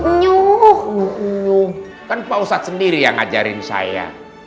inyuh inyuh kan pak ustadz sendiri yang ngajarin saya